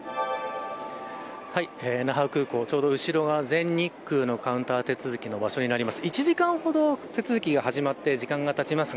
那覇空港、ちょうど後ろが全日空のカウンター手続きの場所です。